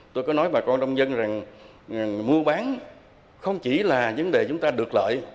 tôi có nói bà con nông dân rằng mua bán không chỉ là vấn đề chúng ta được lợi